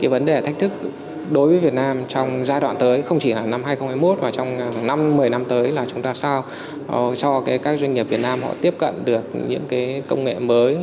vấn đề thách thức đối với việt nam trong giai đoạn tới không chỉ là năm hai nghìn hai mươi một và trong năm một mươi năm tới là chúng ta sao cho các doanh nghiệp việt nam họ tiếp cận được những công nghệ mới